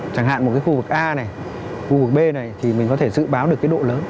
chẳng hạn một cái khu vực a này khu vực b này thì mình có thể dự báo được cái độ lớn